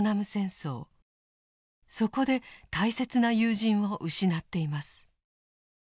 そこで大切な友人を失っています。